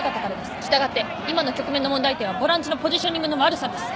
従って今の局面の問題点はボランチのポジショニングの悪さです。